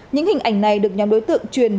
những hình ảnh này được nhóm đối tượng truyền